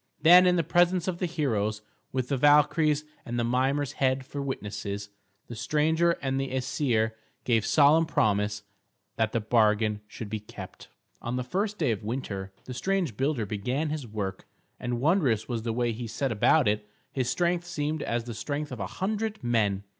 Then in the presence of the heroes, with the Valkyries and Mimer's head for witnesses, the stranger and the Æsir gave solemn promise that the bargain should be kept. On the first day of winter the strange builder began his work, and wondrous was the way he set about it. His strength seemed as the strength of a hundred men.